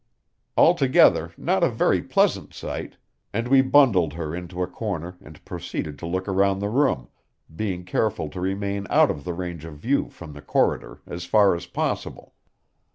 Altogether, not a very pleasant sight; and we bundled her into a corner and proceeded to look round the room, being careful to remain out of the range of view from the corridor as far as possible.